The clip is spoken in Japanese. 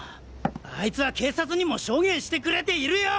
あいつは警察にも証言してくれているよ！